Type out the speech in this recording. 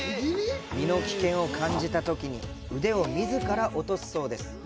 身の危険を感じたときに腕をみずから落とすそうです。